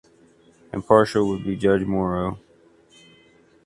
Impartial would be Judge Moro.